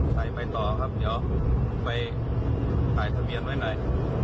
ใครไปต่อครับเดี๋ยวไปถ่ายทะเบียนไว้หน่อย